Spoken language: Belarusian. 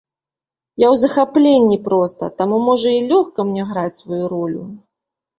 Я ў захапленні проста, таму, можа, й лёгка мне граць сваю ролю.